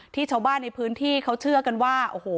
ชาวบ้านในพื้นที่เขาเชื่อกันว่าโอ้โห